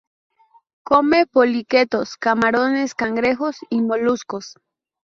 Come poliquetos, camarones, cangrejos y moluscos.